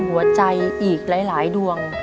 หัวใจอีกหลายดวง